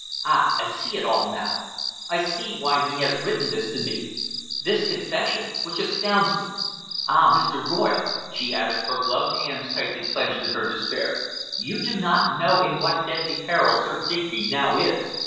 Ah! I see it all now. I see why he has written this to me this confession which astounds me. Ah! Mr. Royle," she added, her gloved hands tightly clenched in her despair. "You do not know in what deadly peril Sir Digby now is.